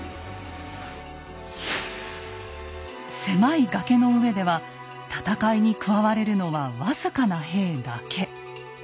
狭い崖の上では戦いに加われるのは僅かな兵だけ。